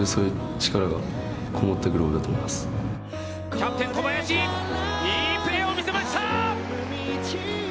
キャプテン小林、いいプレーを見せました！